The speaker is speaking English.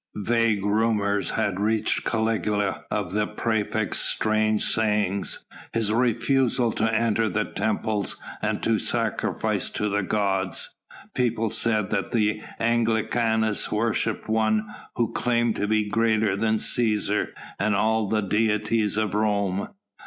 Vague rumour had reached Caligula of the praefect's strange sayings, his refusal to enter the temples and to sacrifice to the gods. People said that the Anglicanus worshipped one who claimed to be greater than Cæsar and all the deities of Rome.